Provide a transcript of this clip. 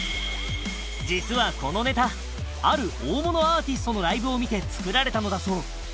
実はこのネタある大物アーティストのライブを見て作られたのだそう